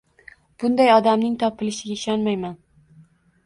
bunday odamning topilishiga ishonmayman.